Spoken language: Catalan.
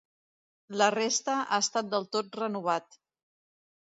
La resta, ha estat del tot renovat.